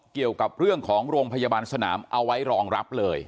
เกี่ยวกับเรื่องของโรงพยาบาลสนามเอาไว้รองรับเลย